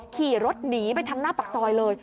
ขี่รถหนีไปทางหน้าปากซอยเลย